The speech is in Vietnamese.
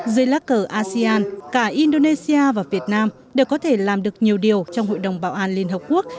dưới lá cờ asean cả indonesia và việt nam đều có thể làm được nhiều điều trong hội đồng bảo an liên hợp quốc